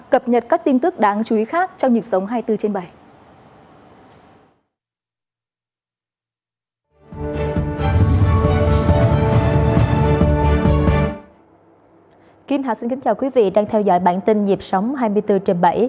cập nhật các tin tức đáng chú ý khác trong nhịp sống hai mươi bốn trên bảy